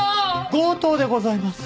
強盗でございます。